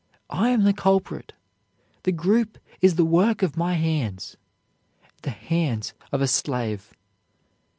I am the culprit. The group is the work of my hands, the hands of a slave."